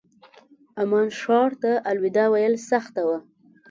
عمان ښار ته الوداع ویل سخته وه.